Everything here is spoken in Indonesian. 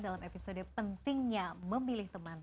dalam episode pentingnya memilih teman